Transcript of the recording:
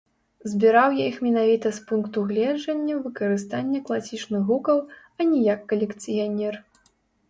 Збіраў я іх менавіта з пункту гледжання выкарыстання класічных гукаў, а не як калекцыянер.